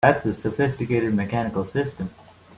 That's a sophisticated mechanical system!